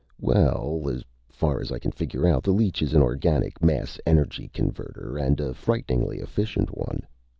"Well, as far as I can figure out, the leech is an organic mass energy converter, and a frighteningly efficient one.